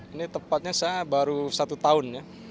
ini tepatnya saya baru satu tahun ya